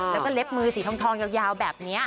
แล้วก็เล็บมือสีทองยาวแบบนี้